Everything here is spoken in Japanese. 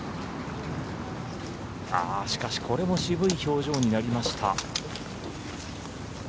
しかしこれも渋い表情になりました。